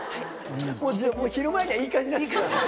もう昼前にはいい感じになってたの。